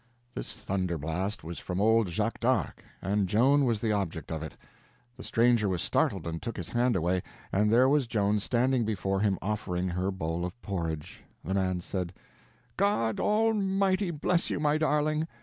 This thunder blast was from old Jacques d'Arc, and Joan was the object of it. The stranger was startled, and took his hand away, and there was Joan standing before him offering him her bowl of porridge. The man said: "God Almighty bless you, my darling!"